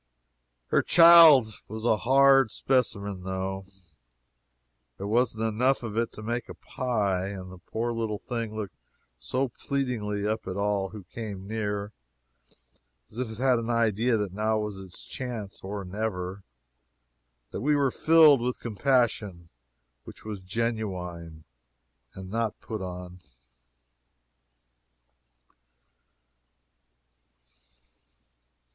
Her child was a hard specimen, though there wasn't enough of it to make a pie, and the poor little thing looked so pleadingly up at all who came near it (as if it had an idea that now was its chance or never,) that we were filled with compassion which was genuine and not put on.